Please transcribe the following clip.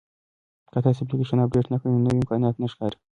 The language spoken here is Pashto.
که تاسي اپلیکیشن اپډیټ نه کړئ نو نوي امکانات نه ښکاري.